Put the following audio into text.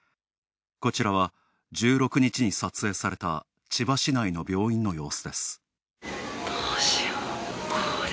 こちらは１６日に撮影された千葉市内の病院の様子です。